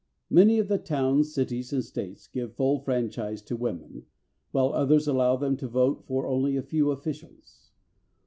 = Many of the towns, cities, and States give full franchise to women, while others allow them to vote for only a few officials.